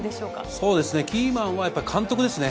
そうですね、キーマンはやっぱり監督ですね。